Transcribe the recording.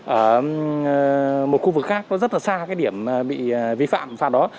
ở một khu vực khác nó rất là xa cái điểm bị vi phạm phạt đó